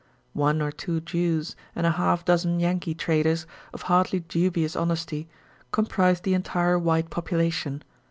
One or two Jews and a half dozen Yankee traders, of hardly dubious honesty, comprised the entire white population.